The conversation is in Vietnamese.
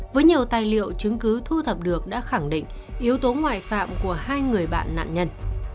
với nhiều tài liệu chứng cứ thu thập được đã khẳng định yếu tố ngoại phạm của hai người bạn nạn nhân